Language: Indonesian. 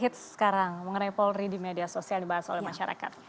apa yang terjadi sekarang mengenai polri di media sosial dibahas oleh masyarakat